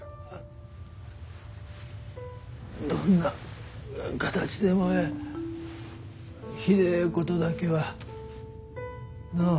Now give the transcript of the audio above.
どんな形でもええひでえことだけはのう？